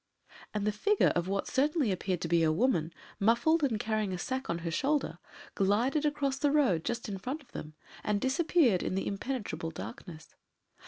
and the figure of what certainly appeared to be a woman, muffled, and carrying a sack on her shoulder, glided across the road just in front of them and disappeared in the impenetrable darkness.